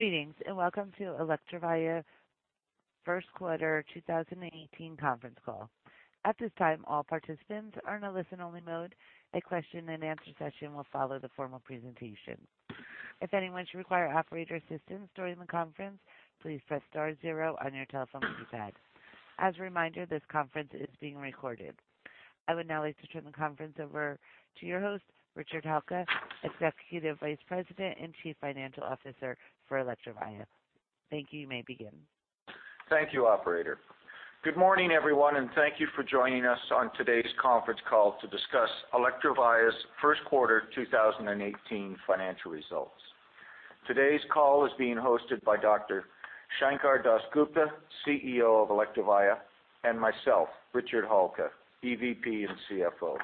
Greetings, and welcome to Electrovaya First Quarter 2018 Conference Call. At this time, all participants are in a listen-only mode. A question-and-answer session will follow the formal presentation. If anyone should require operator assistance during the conference, please press star zero on your telephone keypad. As a reminder, this conference is being recorded. I would now like to turn the conference over to your host, Richard Halka, Executive Vice President and Chief Financial Officer for Electrovaya. Thank you. You may begin. Thank you, Operator. Good morning, everyone, and thank you for joining us on today's conference call to discuss Electrovaya's First Quarter 2018 Financial Results. Today's call is being hosted by Dr. Sankar Das Gupta, CEO of Electrovaya, and myself, Richard Halka, EVP and CFO.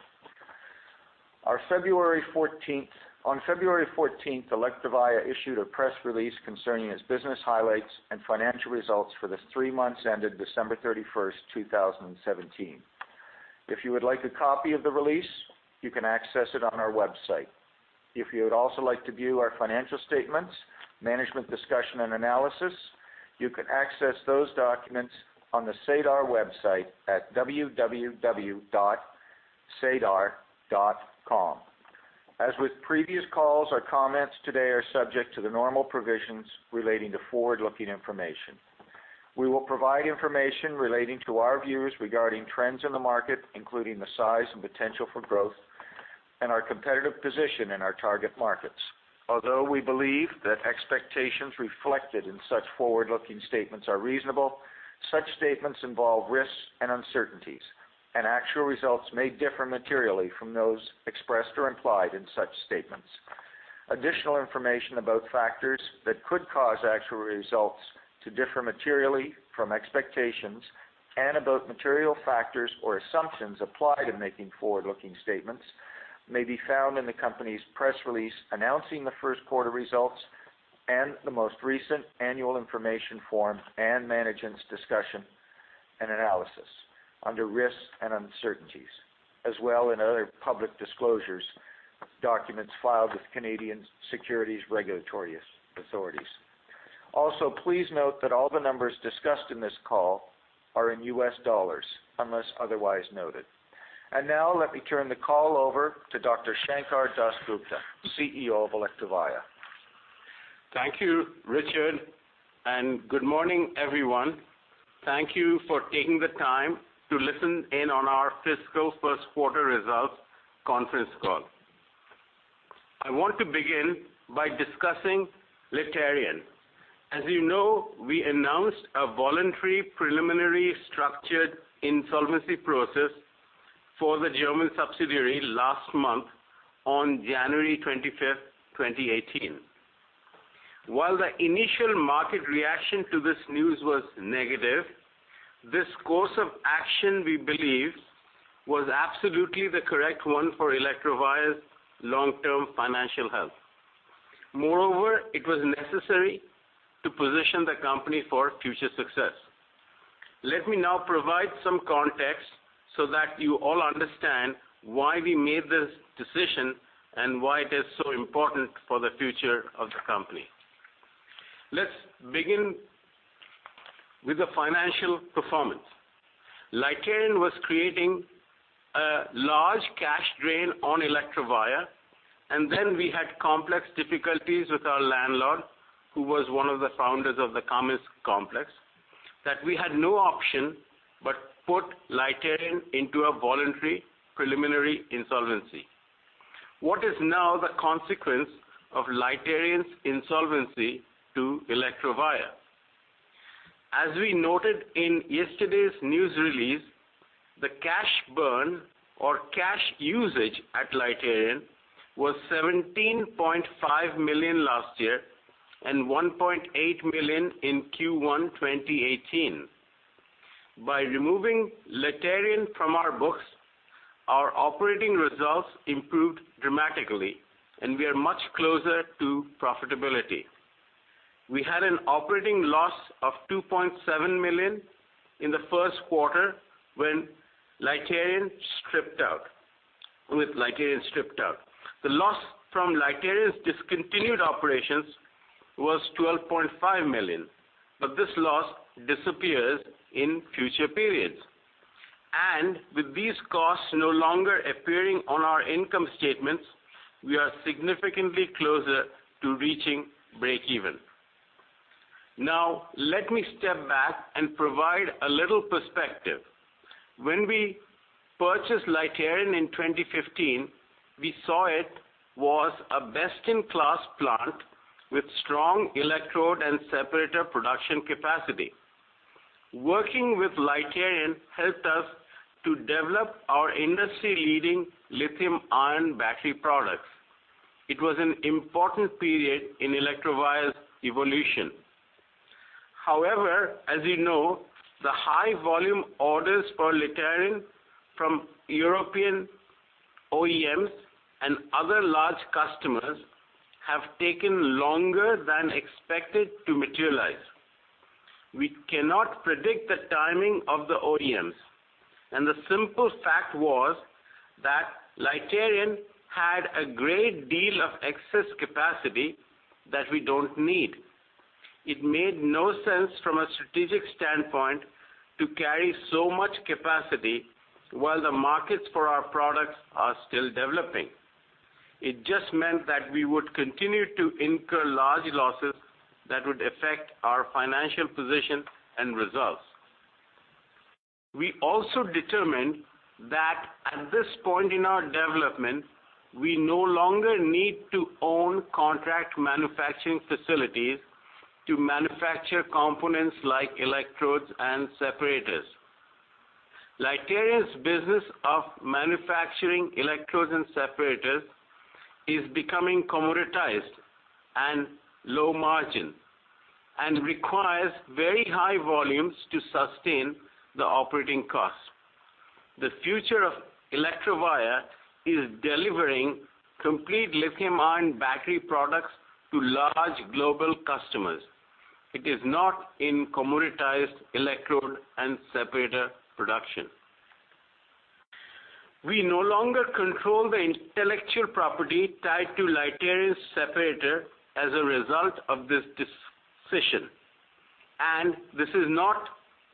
On February 14th, Electrovaya issued a press release concerning its business highlights and financial results for the three months ended December 31st, 2017. If you would like a copy of the release, you can access it on our website. If you would also like to view our financial statements, management discussion and analysis, you can access those documents on the SEDAR website at www.sedar.com. As with previous calls, our comments today are subject to the normal provisions relating to forward-looking information. We will provide information relating to our views regarding trends in the market, including the size and potential for growth and our competitive position in our target markets. Although we believe that expectations reflected in such forward-looking statements are reasonable, such statements involve risks and uncertainties, and actual results may differ materially from those expressed or implied in such statements. Additional information about factors that could cause actual results to differ materially from expectations and about material factors or assumptions applied in making forward-looking statements may be found in the company's press release announcing the first quarter results and the most recent annual information form and management's discussion and analysis under risks and uncertainties, as well in other public disclosures documents filed with Canadian Securities Regulatory Authorities. Also, please note that all the numbers discussed in this call are in U.S. dollars, unless otherwise noted. Now let me turn the call over to Dr. Sankar Das Gupta, CEO of Electrovaya. Thank you, Richard, and good morning, everyone. Thank you for taking the time to listen in on our Fiscal First Quarter Results Conference Call. I want to begin by discussing Litarion. As you know, we announced a voluntary preliminary structured insolvency process for the German subsidiary last month on January 25th, 2018. While the initial market reaction to this news was negative, this course of action, we believe, was absolutely the correct one for Electrovaya's long-term financial health. Moreover, it was necessary to position the company for future success. Let me now provide some context so that you all understand why we made this decision and why it is so important for the future of the company. Let's begin with the financial performance. Litarion was creating a large cash drain on Electrovaya, and then we had complex difficulties with our landlord, who was one of the founders of the Kamenz complex, that we had no option but put Litarion into a voluntary preliminary insolvency. What is now the consequence of Litarion's insolvency to Electrovaya? As we noted in yesterday's news release, the cash burn or cash usage at Litarion was $17.5 million last year and $1.8 million in Q1 2018. By removing Litarion from our books, our operating results improved dramatically, and we are much closer to profitability. We had an operating loss of $2.7 million in the first quarter with Litarion stripped out. The loss from Litarion's discontinued operations was $12.5 million, but this loss disappears in future periods. With these costs no longer appearing on our income statements, we are significantly closer to reaching breakeven. Now, let me step back and provide a little perspective. When we purchased Litarion in 2015, we saw it was a best-in-class plant with strong electrode and separator production capacity. Working with Litarion helped us to develop our industry-leading lithium-ion battery products. It was an important period in Electrovaya's evolution. However, as you know, the high volume orders for Litarion from European OEMs and other large customers have taken longer than expected to materialize. We cannot predict the timing of the OEMs. The simple fact was that Litarion had a great deal of excess capacity that we don't need. It made no sense from a strategic standpoint to carry so much capacity while the markets for our products are still developing. It just meant that we would continue to incur large losses that would affect our financial position and results. We also determined that at this point in our development, we no longer need to own contract manufacturing facilities to manufacture components like electrodes and separators. Litarion's business of manufacturing electrodes and separators is becoming commoditized and low margin, and requires very high volumes to sustain the operating costs. The future of Electrovaya is delivering complete lithium-ion battery products to large global customers. It is not in commoditized electrode and separator production. We no longer control the intellectual property tied to Litarion's separator as a result of this decision, and this is not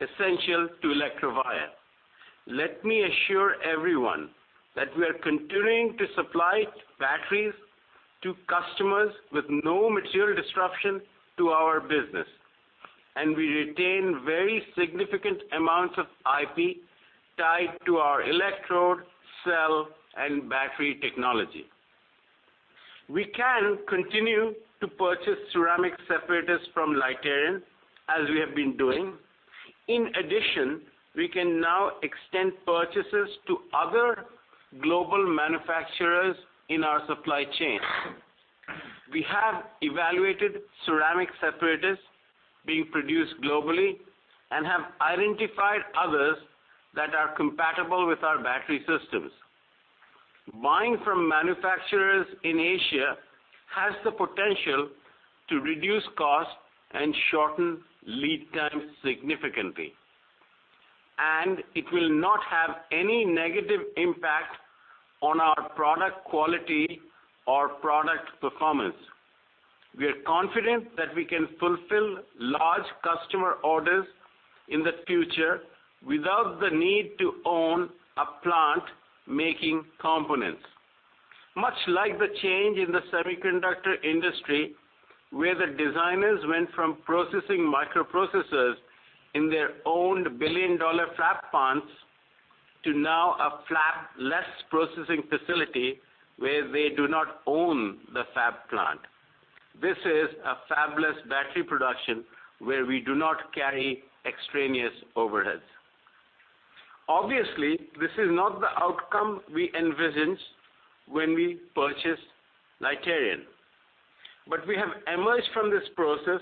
essential to Electrovaya. Let me assure everyone that we are continuing to supply batteries to customers with no material disruption to our business, and we retain very significant amounts of IP tied to our electrode, cell, and battery technology. We can continue to purchase ceramic separators from Litarion as we have been doing. In addition, we can now extend purchases to other global manufacturers in our supply chain. We have evaluated ceramic separators being produced globally and have identified others that are compatible with our battery systems. Buying from manufacturers in Asia has the potential to reduce cost and shorten lead times significantly, and it will not have any negative impact on our product quality or product performance. We are confident that we can fulfill large customer orders in the future without the need to own a plant making components. Much like the change in the semiconductor industry, where the designers went from processing microprocessors in their own billion-dollar fab plants to now a fabless processing facility where they do not own the fab plant. This is a fabless battery production where we do not carry extraneous overheads. Obviously, this is not the outcome we envisioned when we purchased Litarion, we have emerged from this process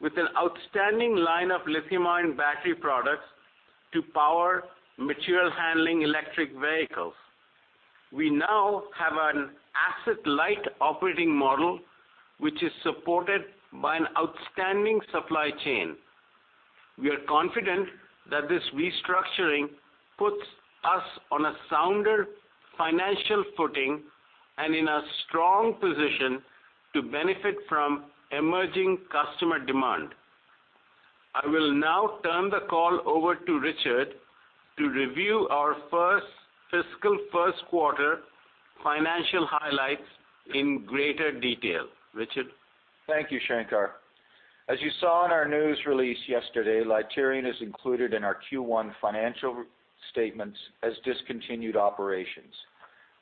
with an outstanding line of lithium-ion battery products to power material handling electric vehicles. We now have an asset-light operating model, which is supported by an outstanding supply chain. We are confident that this restructuring puts us on a sounder financial footing and in a strong position to benefit from emerging customer demand. I will now turn the call over to Richard to review our first fiscal first quarter financial highlights in greater detail. Richard? Thank you, Sankar. As you saw in our news release yesterday, Litarion is included in our Q1 financial statements as discontinued operations.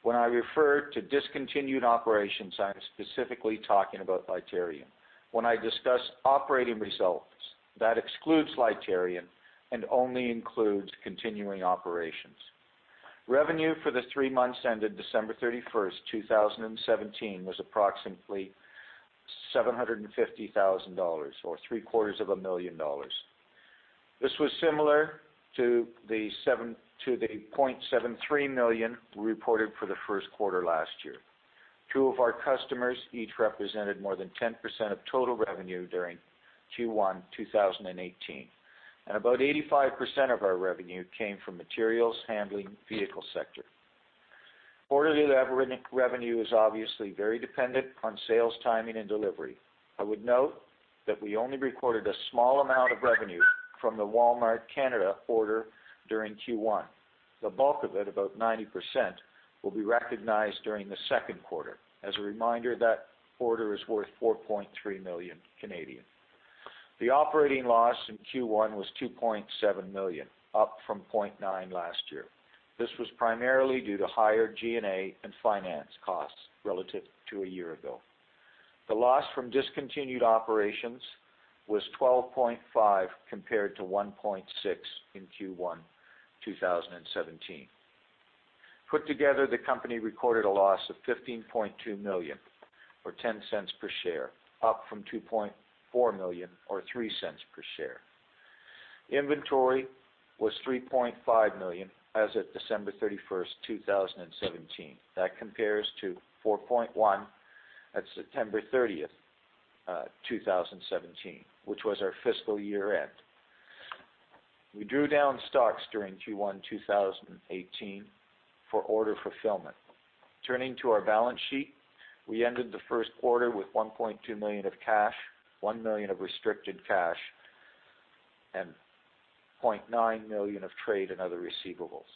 When I refer to discontinued operations, I am specifically talking about Litarion. When I discuss operating results, that excludes Litarion and only includes continuing operations. Revenue for the three months ended December 31st, 2017, was approximately $750,000 or 3/4 of a million dollars. This was similar to the $0.73 million we reported for the first quarter last year. Two of our customers each represented more than 10% of total revenue during Q1 2018, and about 85% of our revenue came from materials handling vehicle sector. Quarterly revenue is obviously very dependent on sales timing and delivery. I would note that we only recorded a small amount of revenue from the Walmart Canada order during Q1. The bulk of it, about 90%, will be recognized during the second quarter. As a reminder, that order is worth 4.3 million. The operating loss in Q1 was $2.7 million, up from $0.9 million last year. This was primarily due to higher G&A and finance costs relative to a year ago. The loss from discontinued operations was $12.5 million compared to $1.6 million in Q1 2017. Put together, the company recorded a loss of $15.2 million or $0.10 per share, up from $2.4 million or $0.03 per share. Inventory was $3.5 million as at December 31st, 2017. That compares to $4.1 at September 30th, 2017, which was our fiscal year-end. We drew down stocks during Q1 2018 for order fulfillment. Turning to our balance sheet, we ended the first quarter with $1.2 million of cash, $1 million of restricted cash, and $0.9 million of trade and other receivables.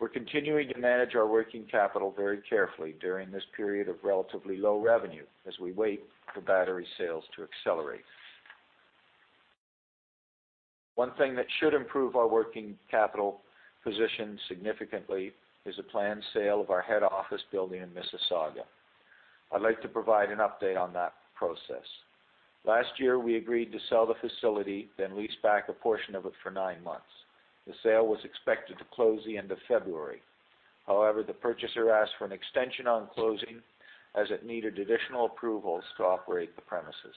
We're continuing to manage our working capital very carefully during this period of relatively low revenue as we wait for battery sales to accelerate. One thing that should improve our working capital position significantly is a planned sale of our head office building in Mississauga. I'd like to provide an update on that process. Last year, we agreed to sell the facility, then lease back a portion of it for nine months. The sale was expected to close the end of February. The purchaser asked for an extension on closing as it needed additional approvals to operate the premises.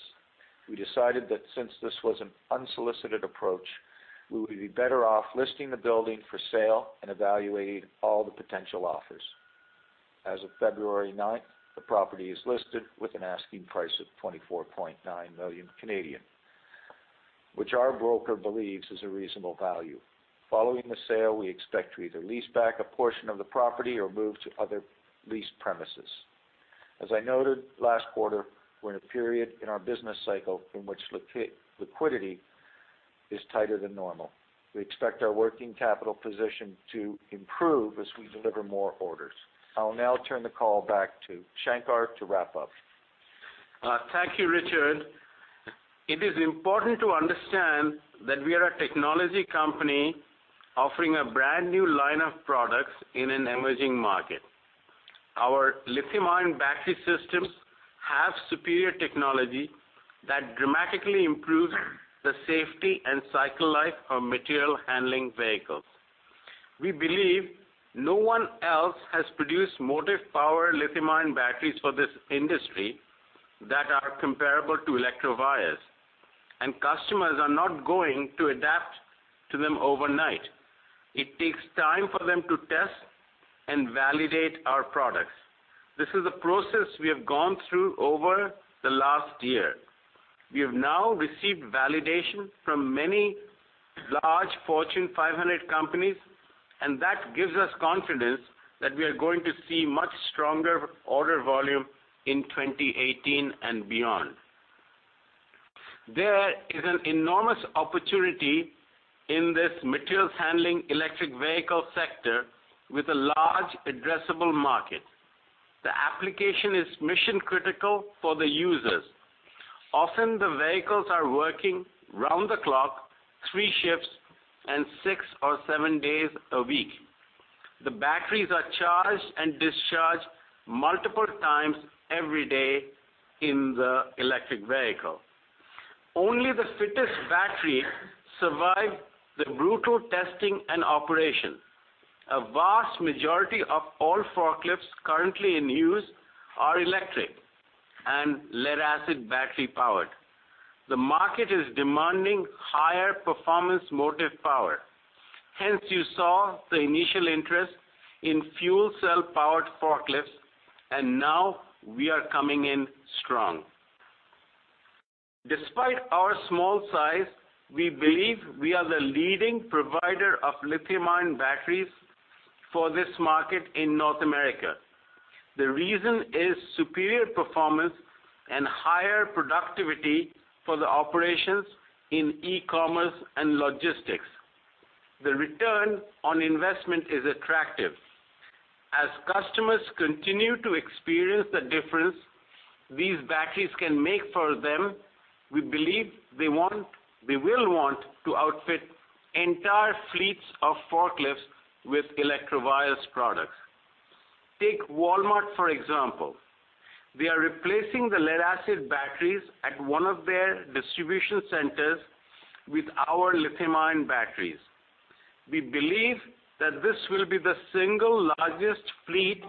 We decided that since this was an unsolicited approach, we would be better off listing the building for sale and evaluating all the potential offers. As of February 9th, the property is listed with an asking price of 24.9 million, which our broker believes is a reasonable value. Following the sale, we expect to either lease back a portion of the property or move to other leased premises. As I noted last quarter, we're in a period in our business cycle in which liquidity is tighter than normal. We expect our working capital position to improve as we deliver more orders. I'll now turn the call back to Sankar to wrap up. Thank you, Richard. It is important to understand that we are a technology company offering a brand-new line of products in an emerging market. Our lithium-ion battery systems have superior technology that dramatically improves the safety and cycle life of material handling vehicles. We believe no one else has produced motive power lithium-ion batteries for this industry that are comparable to Electrovaya's, and customers are not going to adapt to them overnight. It takes time for them to test and validate our products. This is a process we have gone through over the last year. We have now received validation from many large Fortune 500 companies, and that gives us confidence that we are going to see much stronger order volume in 2018 and beyond. There is an enormous opportunity in this materials handling electric vehicle sector with a large addressable market. The application is mission-critical for the users. Often, the vehicles are working round the clock, three shifts, and six or seven days a week. The batteries are charged and discharged multiple times every day in the electric vehicle. Only the fittest battery survive the brutal testing and operation. A vast majority of all forklifts currently in use are electric and lead-acid battery-powered. The market is demanding higher performance motive power. Hence, you saw the initial interest in fuel cell-powered forklifts, and now we are coming in strong. Despite our small size, we believe we are the leading provider of lithium-ion batteries for this market in North America. The reason is superior performance and higher productivity for the operations in e-commerce and logistics. The return on investment is attractive. As customers continue to experience the difference these batteries can make for them, we believe they will want to outfit entire fleets of forklifts with Electrovaya's products. Take Walmart, for example. They are replacing the lead-acid batteries at one of their distribution centers with our lithium-ion batteries. We believe that this will be the single largest fleet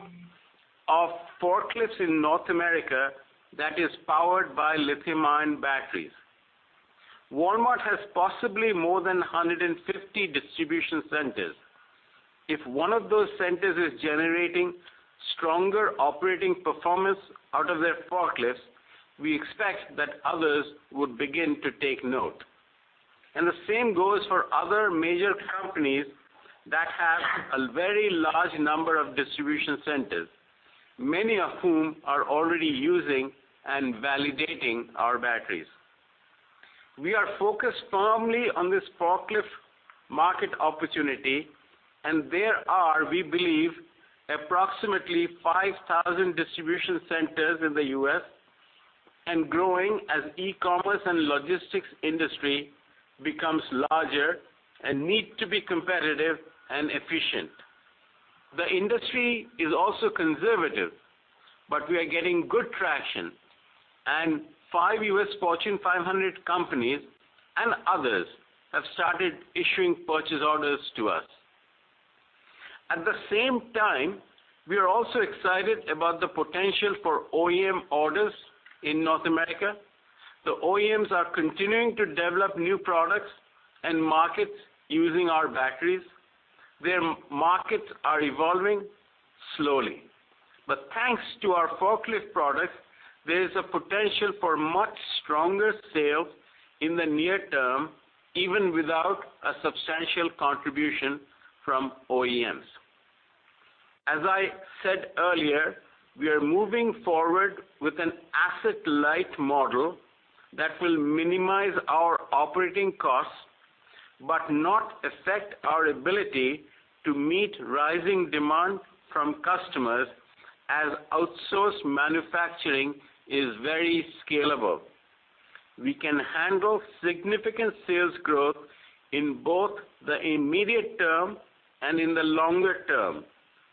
of forklifts in North America that is powered by lithium-ion batteries. Walmart has possibly more than 150 distribution centers. If one of those centers is generating stronger operating performance out of their forklifts, we expect that others would begin to take note. The same goes for other major companies that have a very large number of distribution centers, many of whom are already using and validating our batteries. We are focus only on this forklift market opportunity, there are, we believe, approximately 5,000 distribution centers in the U.S. and growing as e-commerce and logistics industry becomes larger and need to be competitive and efficient. The industry is also conservative. We are getting good traction, and five U.S. Fortune 500 companies and others have started issuing purchase orders to us. At the same time, we are also excited about the potential for OEM orders in North America. The OEMs are continuing to develop new products and markets using our batteries. Their markets are evolving slowly. Thanks to our forklift products, there is a potential for much stronger sales in the near term, even without a substantial contribution from OEMs. As I said earlier, we are moving forward with an asset-light model that will minimize our operating costs, but not affect our ability to meet rising demand from customers, as outsourced manufacturing is very scalable. We can handle significant sales growth in both the immediate term and in the longer term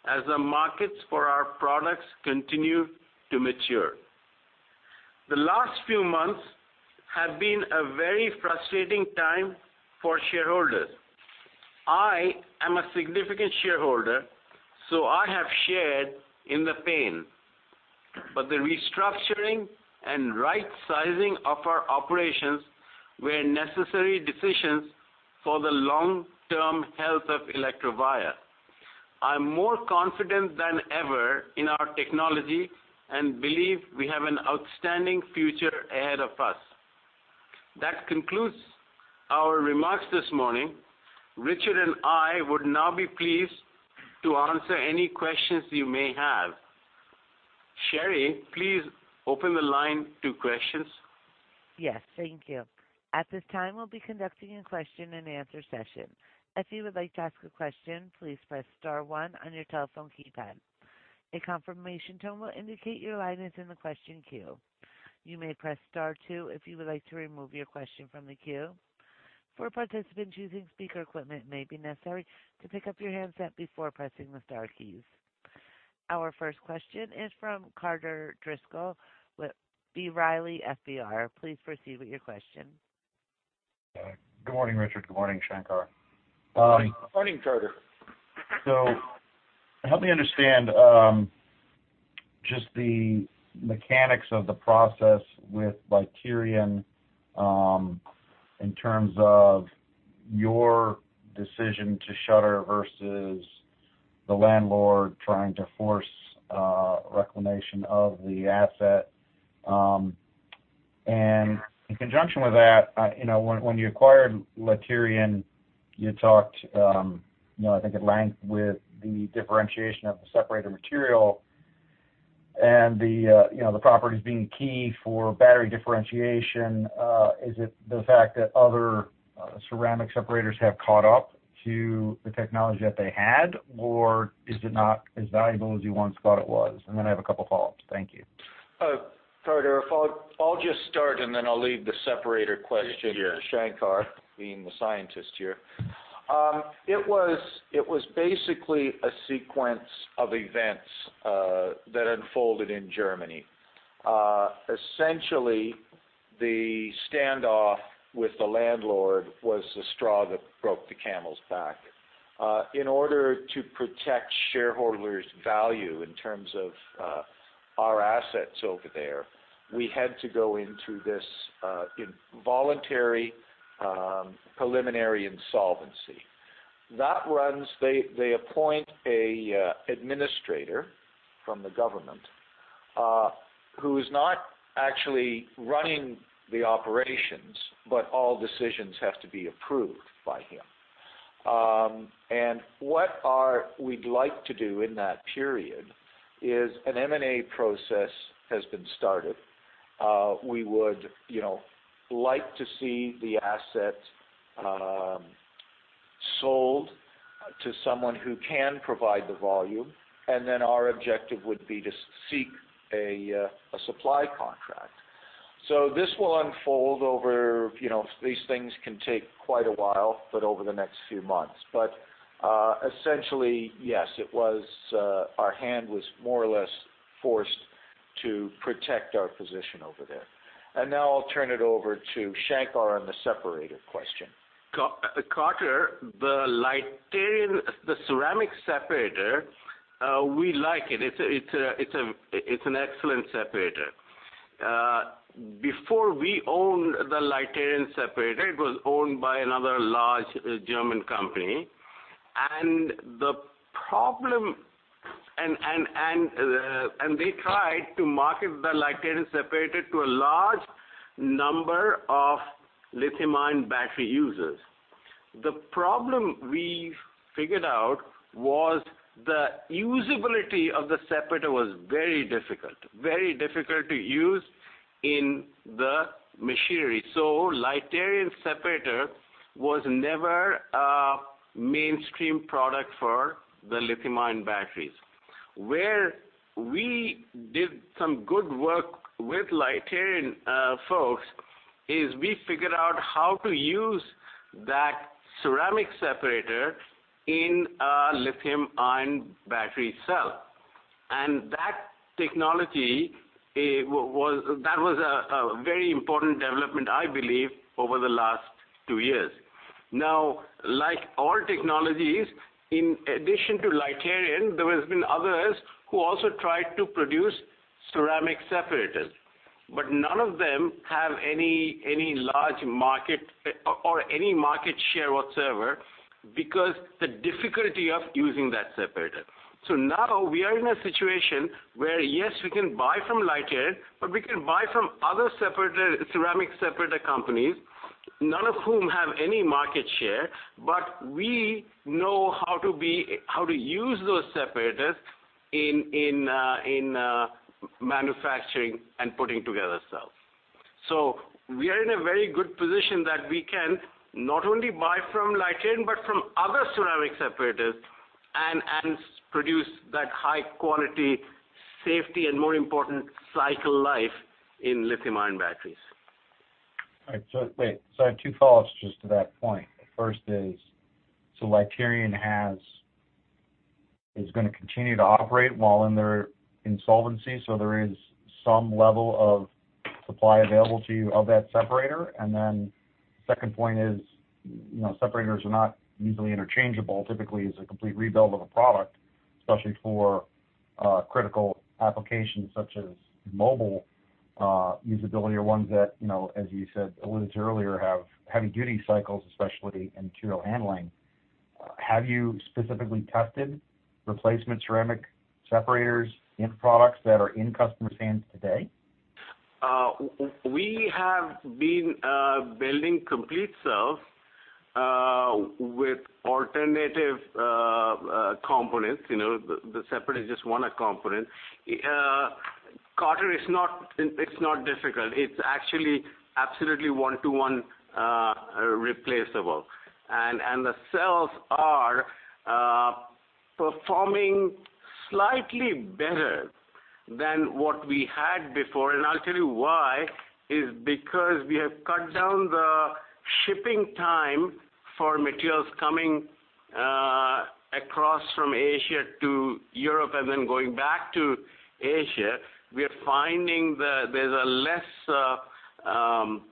as the markets for our products continue to mature. The last few months have been a very frustrating time for shareholders. I am a significant shareholder, I have shared in the pain. The restructuring and rightsizing of our operations were necessary decisions for the long-term health of Electrovaya. I'm more confident than ever in our technology and believe we have an outstanding future ahead of us. That concludes our remarks this morning. Richard and I would now be pleased to answer any questions you may have. Sherry, please open the line to questions. Yes, thank you. At this time, we'll be conducting a question-and-answer session. If you would like to ask a question, please press star one on your telephone keypad. A confirmation tone will indicate your line is in the question queue. You may press star two if you would like to remove your question from the queue. For participants using speaker equipment, it may be necessary to pick up your handset before pressing the star keys. Our first question is from Carter Driscoll with B. Riley FBR. Please proceed with your question. Good morning, Richard. Good morning, Sankar. Morning, Carter. Help me understand, just the mechanics of the process with Litarion, in terms of your decision to shutter versus the landlord trying to force reclamation of the asset. In conjunction with that, you know, when you acquired Litarion, you talked, you know, I think at length with the differentiation of the separator material and the, you know, the properties being key for battery differentiation. Is it the fact that other ceramic separators have caught up to the technology that they had, or is it not as valuable as you once thought it was? I have a couple follow-ups. Thank you. Carter, I'll just start, and then I'll leave the separator question. Sure -to Sankar, being the scientist here. It was basically a sequence of events that unfolded in Germany. Essentially, the standoff with the landlord was the straw that broke the camel's back. In order to protect shareholders' value in terms of our assets over there, we had to go into this involuntary preliminary insolvency. They appoint a administrator from the government who is not actually running the operations, but all decisions have to be approved by him. We'd like to do in that period is an M&A process has been started. We would, you know, like to see the asset sold to someone who can provide the volume, and then our objective would be to seek a supply contract. This will unfold over, you know, these things can take quite a while, but over the next few months. Essentially, yes, it was our hand was more or less forced to protect our position over there. Now I'll turn it over to Sankar on the separator question. Carter, the Litarion, the ceramic separator, we like it. It's an excellent separator. Before we owned the Litarion separator, it was owned by another large German company. The problem they tried to market the Litarion separator to a large number of lithium-ion battery users. The problem we figured out was the usability of the separator was very difficult to use in the machinery. Litarion separator was never a mainstream product for the lithium-ion batteries. Where we did some good work with Litarion folks, is we figured out how to use that ceramic separator in a lithium-ion battery cell. That technology, that was a very important development, I believe, over the last two years. Like all technologies, in addition to Litarion, there has been others who also tried to produce ceramic separators. None of them have any large market or any market share whatsoever because the difficulty of using that separator. Now we are in a situation where, yes, we can buy from Litarion, or we can buy from other ceramic separator companies, none of whom have any market share. We know how to use those separators in manufacturing and putting together cells. We are in a very good position that we can not only buy from Litarion, but from other ceramic separators and produce that high quality, safety, and more important, cycle life in lithium-ion batteries. All right. Wait. I have two follow-ups just to that point. The first is, Litarion is gonna continue to operate while in their insolvency, there is some level of supply available to you of that separator. Second point is, you know, separators are not easily interchangeable. Typically, it's a complete rebuild of a product, especially for critical applications such as mobile usability or ones that, you know, as you said, alluded to earlier, have heavy-duty cycles, especially in material handling. Have you specifically tested replacement ceramic separators in products that are in customers' hands today? We have been building complete cells with alternative components. You know, the separator is just one component. Carter, it's not difficult. It's actually absolutely one-to-one replaceable. The cells are performing slightly better than what we had before, and I'll tell you why, is because we have cut down the shipping time for materials coming across from Asia to Europe and then going back to Asia. We are finding there's a less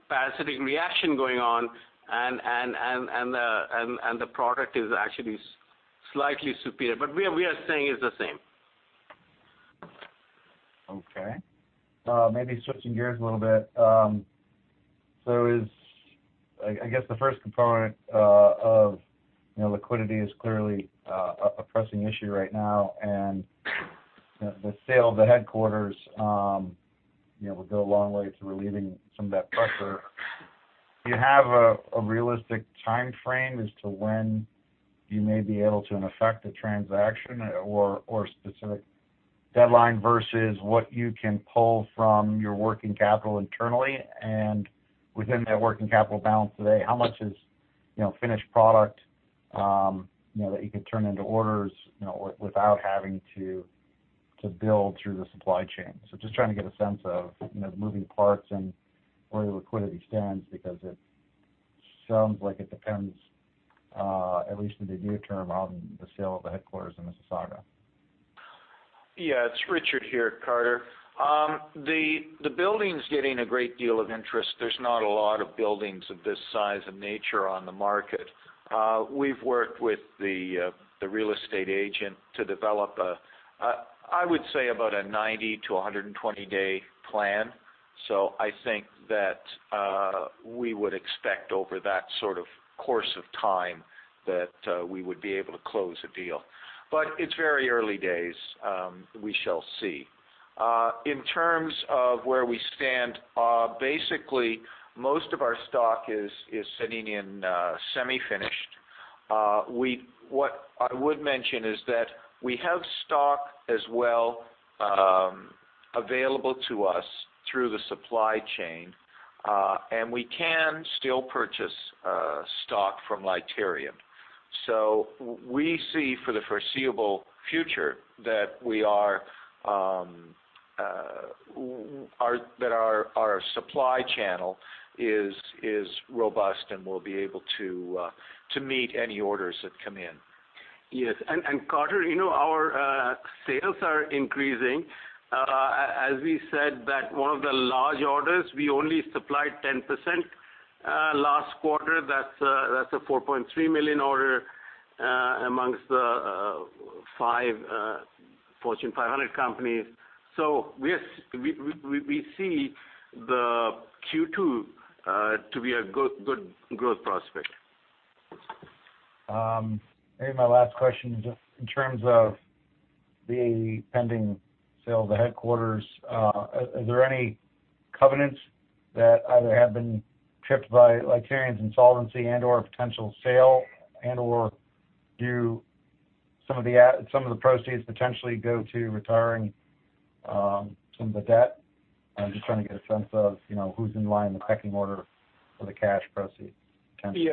parasitic reaction going on, and the product is actually slightly superior. We are saying it's the same. Okay. Maybe switching gears a little bit. I guess the first component of, you know, liquidity is clearly a pressing issue right now. You know, the sale of the headquarters, you know, would go a long way to relieving some of that pressure. Do you have a realistic timeframe as to when you may be able to effect a transaction or a specific deadline versus what you can pull from your working capital internally? Within that working capital balance today, how much is, you know, finished product, you know, that you could turn into orders, you know, without having to build through the supply chain? Just trying to get a sense of, you know, moving parts and where the liquidity stands, because it sounds like it depends, at least in the near term, on the sale of the headquarters in Mississauga. It's Richard here, Carter. The building's getting a great deal of interest. There's not a lot of buildings of this size and nature on the market. We've worked with the real estate agent to develop a 90-120day plan. I think that we would expect over that sort of course of time that we would be able to close a deal. It's very early days. We shall see. In terms of where we stand, basically most of our stock is sitting in semi-finished. What I would mention is that we have stock as well, available to us through the supply chain, and we can still purchase stock from Litarion. We see for the foreseeable future that we are, that our supply channel is robust and will be able to meet any orders that come in. Yes. Carter, you know, our sales are increasing. As we said that one of the large orders, we only supplied 10% last quarter. That's a $4.3 million order amongst the five Fortune 500 companies. We see the Q2 to be a good growth prospect. Maybe my last question just in terms of the pending sale of the headquarters. Is there any covenants that either have been tripped by Litarion's insolvency and/or a potential sale, and/or do some of the proceeds potentially go to retiring some of the debt? I'm just trying to get a sense of, you know, who's in line in the pecking order for the cash proceeds potentially.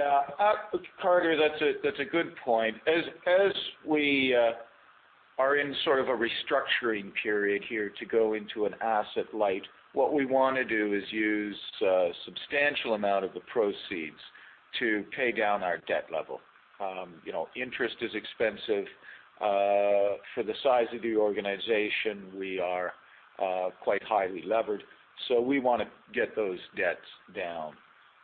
Carter, that's a good point. As we are in sort of a restructuring period here to go into an asset light, what we wanna do is use a substantial amount of the proceeds to pay down our debt level. You know, interest is expensive. For the size of the organization, we are quite highly levered, we wanna get those debts down.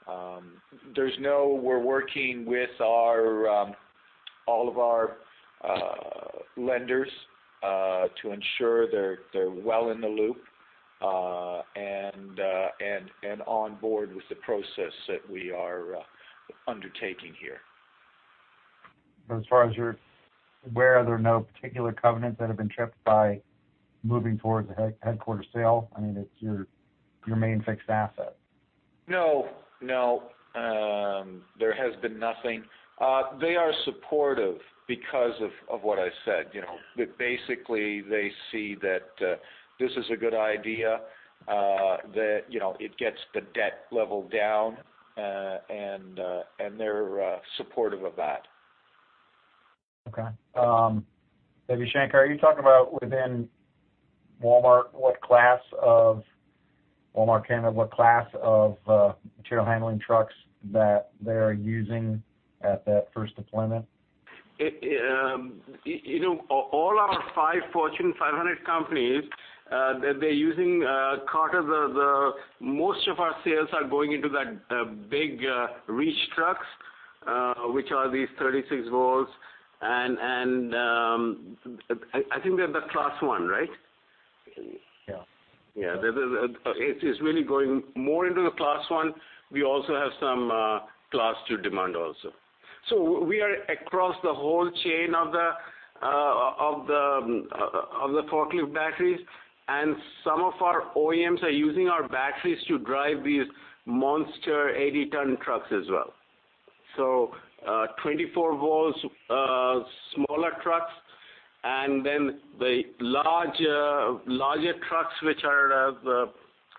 We're working with all of our lenders to ensure they're well in the loop and on board with the process that we are undertaking here. As far as you're aware, are there no particular covenants that have been tripped by moving towards the headquarter sale? I mean, it's your main fixed asset. No. No. There has been nothing. They are supportive because of what I said, you know. Basically, they see that this is a good idea, that, you know, it gets the debt level down, and they're supportive of that. Okay. Maybe Sankar, are you talking about within Walmart, what class of Walmart Canada, what class of material handling trucks that they are using at that first deployment? It, you know, all our five Fortune 500 companies, they're using. Most of our sales are going into that big reach trucks, which are these 36 V, and I think they're the class one, right? Yeah. It is really going more into the class one. We also have some class two demand also. We are across the whole chain of the forklift batteries, and some of our OEMs are using our batteries to drive these monster 80 ton trucks as well. 24 V, smaller trucks, and then the large, larger trucks, which are the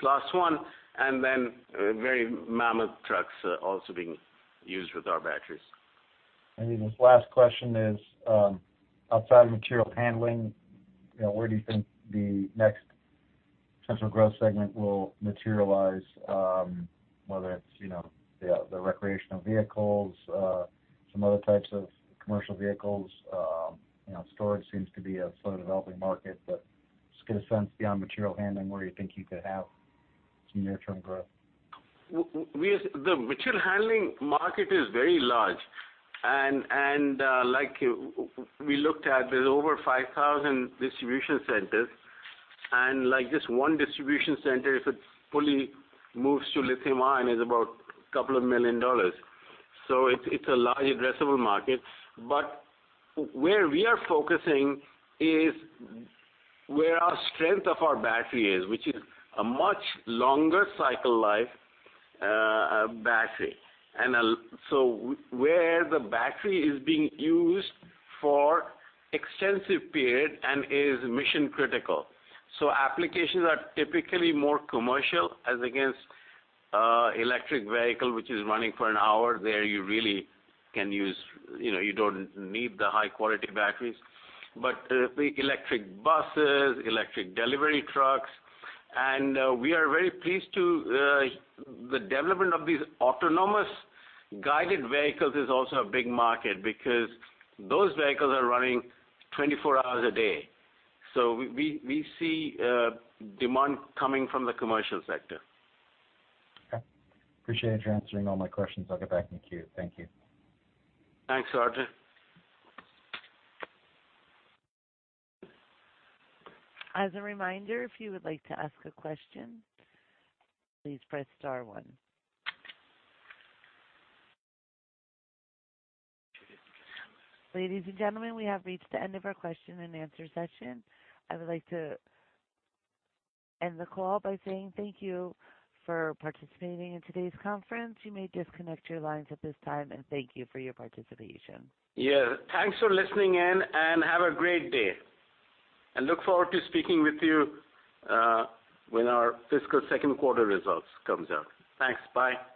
class one, and then very mammoth trucks are also being used with our batteries. This last question is, outside of material handling, you know, where do you think the next potential growth segment will materialize, whether it's, you know, the recreational vehicles, some other types of commercial vehicles? You know, storage seems to be a slow developing market, but just get a sense beyond material handling, where you think you could have some near-term growth. The material handling market is very large, like we looked at, there's over 5,000 distribution centers. Like this one distribution center, if it fully moves to lithium-ion, is about couple of million dollars. It's a large addressable market. Where we are focusing is where our strength of our battery is, which is a much longer cycle life battery. Where the battery is being used for extensive period and is mission critical. Applications are typically more commercial as against electric vehicle, which is running for an hour. There you really can use, you know, you don't need the high quality batteries. The electric buses, electric delivery trucks, and we are very pleased to the development of these autonomous guided vehicles is also a big market because those vehicles are running 24 hours a day. We see demand coming from the commercial sector. Okay. Appreciate you answering all my questions. I'll get back in the queue. Thank you. Thanks, Carter. As a reminder, if you would like to ask a question, please press star one. Ladies and gentlemen, we have reached the end of our question and answer session. I would like to end the call by saying thank you for participating in today's conference. You may disconnect your lines at this time, and thank you for your participation. Yeah. Thanks for listening in, and have a great day. I look forward to speaking with you, when our fiscal second quarter results comes out. Thanks. Bye.